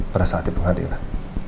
pada saat di pengadilan